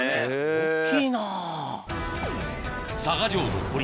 大っきいな。